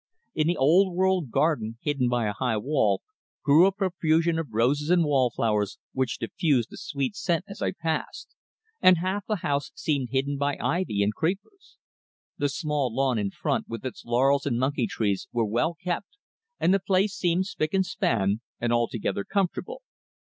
In the old world garden, hidden by a high wall, grew a profusion of roses and wallflowers which diffused a sweet scent as I passed, and half the house seemed hidden by ivy and creepers. The small lawn in front, with its laurels and monkey trees, were well kept, and the place seemed spick and span, and altogether comfortable.